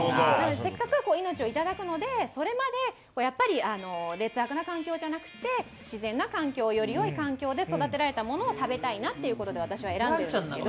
せっかく命をいただくので、それまで劣悪な環境じゃなくて自然な環境、よりよい環境で育てられた物を食べたいなってことで私は選んでいるんですけど。